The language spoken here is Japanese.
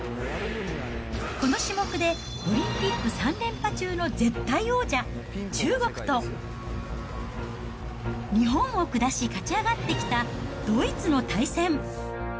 この種目でオリンピック３連覇中の絶対王者、中国と、日本を下し勝ち上がってきたドイツの対戦。